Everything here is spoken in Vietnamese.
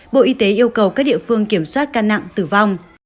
bộ y tế yêu cầu các địa phương kiểm soát ca nặng tử vong